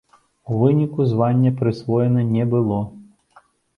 У выніку званне прысвоена не было.